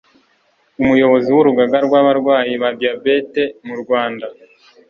Umuyobozi w'Urugaga rw'abarwayi ba Diabète mu Rwanda